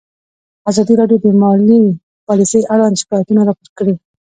ازادي راډیو د مالي پالیسي اړوند شکایتونه راپور کړي.